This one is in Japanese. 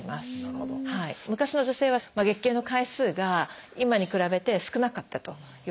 昔の女性は月経の回数が今に比べて少なかったといわれています。